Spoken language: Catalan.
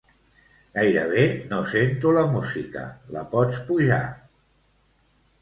Gairebé no sento la música, la pots pujar.